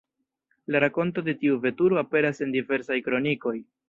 La rakonto de tiu veturo aperas en diversaj kronikoj.